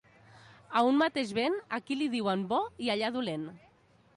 A un mateix vent, aquí li diuen bo i allà dolent.